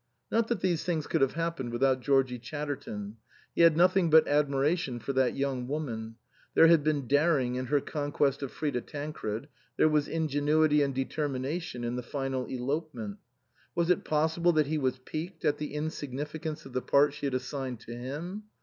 Not that these things could have happened without Georgie Chatterton. He had nothing but admiration for that young woman ; there had been daring in her conquest of Frida Tan cred, there was ingenuity and determination in the final elopement. Was it possible that he was piqued at the insignificance of the part she had assigned to him